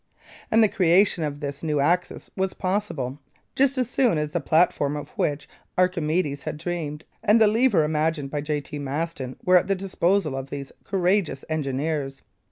And the creation of this new axis was possible, just as soon as the platform of which Archimedes had dreamed and the lever imagined by J.T. Maston were at the disposal of these courageous engineers.